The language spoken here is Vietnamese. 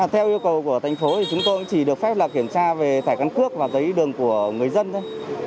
theo yêu cầu của thành phố thì chúng tôi cũng chỉ được phép kiểm tra về thẻ căn cước và giấy đường của người dân thôi